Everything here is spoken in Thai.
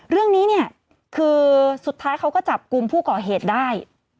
เรื่องนี้เนี่ยคือสุดท้ายเขาก็จับกลุ่มผู้ก่อเหตุได้